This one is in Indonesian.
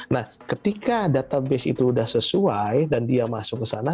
nah ketika database itu sudah sesuai dan dia masuk ke sana